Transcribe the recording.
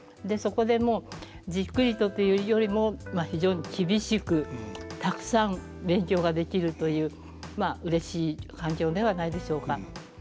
そこでもうじっくりとというよりも非常に厳しくたくさん勉強ができるというまあうれしい環境ではないでしょうか。